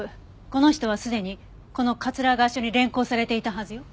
この人はすでにこの桂川署に連行されていたはずよ。